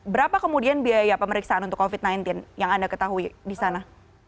berapa kemudian biaya pemeriksaan untuk covid sembilan belas yang anda ketahui di sana